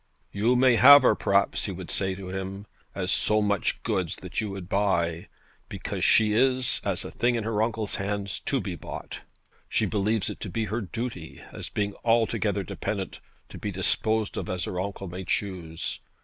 'You may have her, perhaps,' he would say to him, 'as so much goods that you would buy, because she is, as a thing in her uncle's hands, to be bought. She believes it to be her duty, as being altogether dependent, to be disposed of as her uncle may choose.